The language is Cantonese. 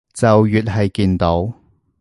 就越係見到